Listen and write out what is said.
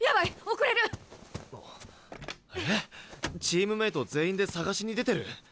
チームメート全員で捜しに出てる？